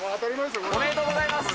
おめでとうございます。